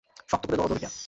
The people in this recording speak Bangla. শক্ত করে ধরো দড়িটা!